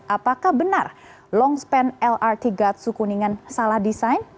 apakah benar longspan lrt gatsu kuningan salah desain